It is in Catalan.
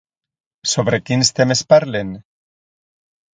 Sobre quins temes parlen?